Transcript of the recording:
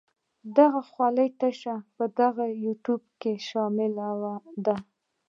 د خولې تشه په دغه تیوپ کې شامله ده.